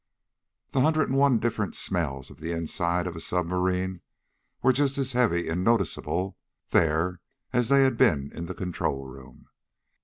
The hundred and one different smells of the insides of a submarine were just as heavy and noticeable there as they had been in the control room.